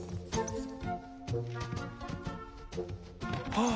ああ！